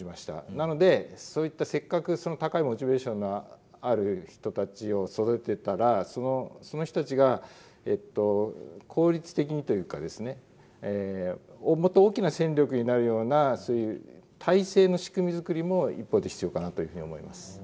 なのでそういったせっかくその高いモチベーションのある人たちを育てたらその人たちが効率的にというかですねもっと大きな戦力になるような体制の仕組み作りも一方で必要かなというふうに思います。